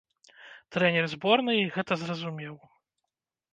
Трэнер зборнай гэта зразумеў.